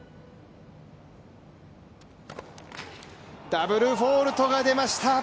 ダブルフォルトが出ました。